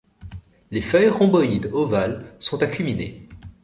Les feuilles rhomboïdes-ovales sont acuminées.